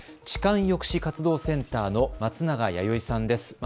痴漢抑止活動センターの松永弥生さんです。